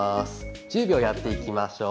１０秒やっていきましょう。